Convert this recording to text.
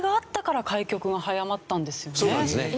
そうなんですね。